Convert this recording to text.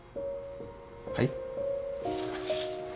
はい？